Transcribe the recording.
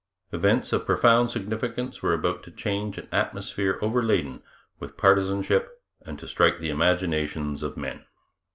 Events of profound significance were about to change an atmosphere overladen with partisanship and to strike the imaginations of men.